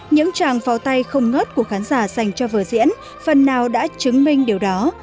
những tràng pháo tay không ngớt của khán giả dành cho vở diễn phần nào đã chứng minh điều đó